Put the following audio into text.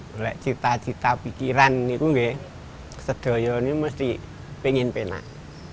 mulai cerita cerita pikiran ini sedulur ini mesti pengen penang